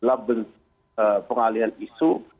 adalah pengalian isu